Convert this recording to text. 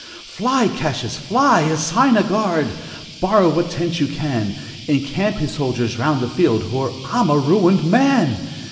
"Fly, Cassius, fly! assign a guard! Borrow what tents you can! Encamp his soldiers round the field, Or I'm a ruined man!